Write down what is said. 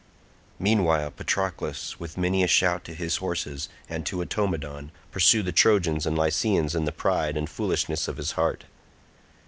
Meanwhile Patroclus, with many a shout to his horses and to Automedon, pursued the Trojans and Lycians in the pride and foolishness of his heart.